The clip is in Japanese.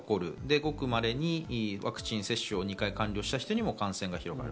ごくまれにワクチン接種を２回完了した人にも感染が広がる。